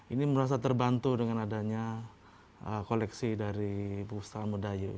ini merasa terbantu dengan adanya koleksi dari perpustakaan mendayu